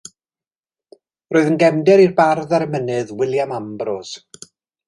Roedd yn gefnder i'r bardd a'r emynydd William Ambrose.